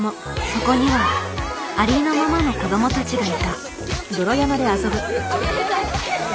そこには「ありのまま」の子どもたちがいた。